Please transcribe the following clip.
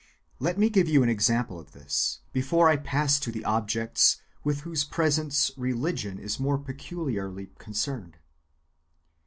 Let me give you an example of this, before I pass to the objects with whose presence religion is more peculiarly concerned.